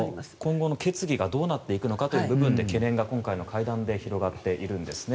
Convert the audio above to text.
今後の決議がどうなっていくかという部分で懸念が今回の会談で広がっているんですね。